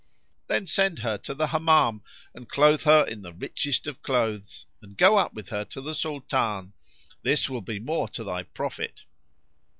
Then send her to the Hammam and clothe her in the richest of clothes and go up with her to the Sultan: this will be more to thy profit."